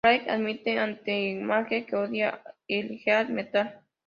Becky admite ante Marge que odia el heavy metal.